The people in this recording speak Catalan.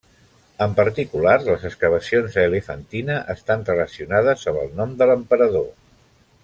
En particular, les excavacions a Elefantina estan relacionades amb el nom de l'emperador.